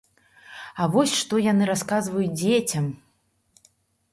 А вось што яны расказваюць дзецям!